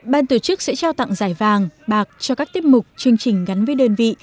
ban tổ chức sẽ trao tặng giải vàng bạc cho các tiết mục chương trình gắn với đơn vị